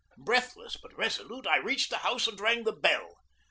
Breathless but resolute I reached the house and rang the bell.